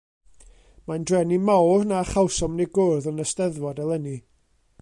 Mae'n drueni mawr na chawsom ni gwrdd yn y Steddfod eleni.